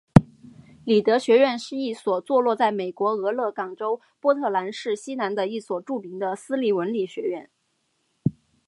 里德学院是一所坐落在美国俄勒冈州波特兰市西南的一所著名的私立文理学院。